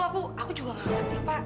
aku aku juga gak ngerti pak